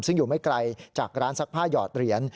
ซึ่งอยู่ไม่ไกลจากร้านซักผ้าหยอดเหรียญ